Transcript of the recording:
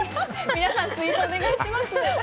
皆さん、ツイートお願いします。